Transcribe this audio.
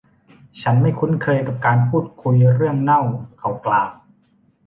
'ฉันไม่คุ้นเคยกับการพูดคุยเรื่องเน่า' เขากล่าว